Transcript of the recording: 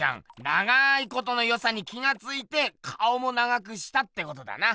長いことのよさに気がついて顔も長くしたってことだな。